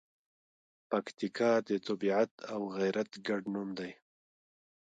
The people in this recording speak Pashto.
پکتیکا د طبیعت او غیرت ګډ نوم دی.